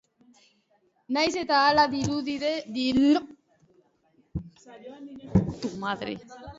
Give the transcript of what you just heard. Nahiz eta hala dirudien, gizon honek ez du magia egiten.